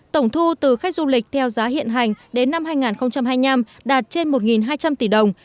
tổng thu từ khách du lịch theo giá hiện hành đến năm hai nghìn hai mươi năm đạt trên một hai trăm linh tỷ đồng